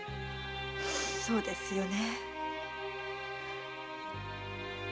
そうですよね。